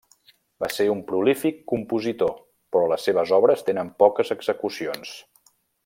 Va ser un prolífic compositor, però les seves obres tenen poques execucions.